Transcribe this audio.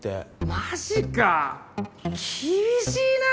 マジか厳しいな。